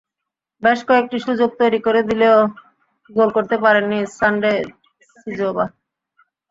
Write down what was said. বেশ কয়েকটি সুযোগ তৈরি করে দিলেও গোল করতে পারেননি সানডে সিজোবা।